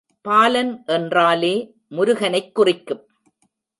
பாலன் என்றாலே முருகனைக் குறிக்கும்.